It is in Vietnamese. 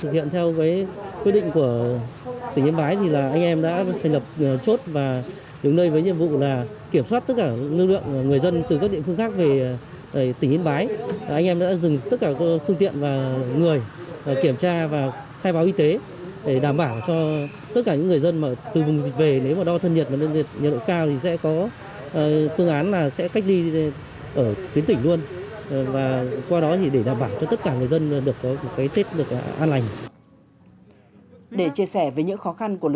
thực hiện theo với quyết định của tỉnh yên bái thì là anh em đã thành lập chốt và đứng nơi với nhiệm vụ là kiểm soát tất cả lưu lượng người dân từ các địa phương khác về tỉnh yên bái anh em đã dừng tất cả không tiện và người kiểm tra và khai báo y tế để đảm bảo cho tất cả những người dân từ vùng dịch về nếu mà đo thân nhiệt và đơn giản